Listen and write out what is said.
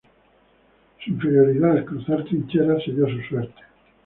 Su inferioridad al cruzar trincheras selló su suerte.